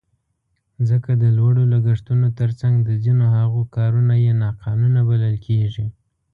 ځکه د لوړو لګښتونو تر څنګ د ځینو هغو کارونه یې ناقانونه بلل کېږي.